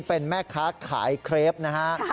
เป็นแม่ค้าขายเครปนะฮะ